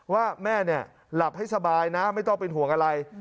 ว่าแม่หลับให้สบายนะไม่ต้องเป็นห่วงอะไร